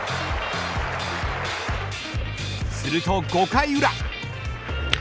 すると５回裏。